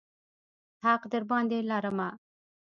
حق درباندې لرمه.